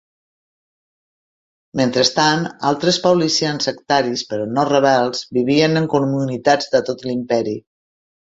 Mentrestant, altres paulicians, sectaris, però no rebels, vivien en comunitats de tot l'imperi.